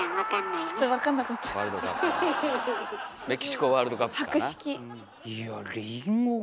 メキシコワールドカップかな。